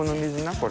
これ。